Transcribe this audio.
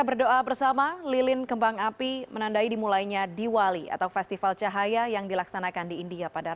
pameran ini akan berakhir pada februari tahun depan